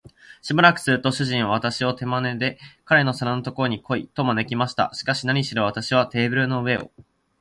しばらくすると、主人は私を手まねで、彼の皿のところへ来い、と招きました。しかし、なにしろ私はテーブルの上を